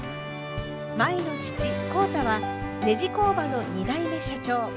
舞の父浩太はネジ工場の２代目社長。